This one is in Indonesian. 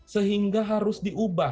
sehingga harus diubah